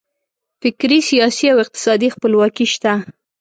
فکري، سیاسي او اقتصادي خپلواکي شته.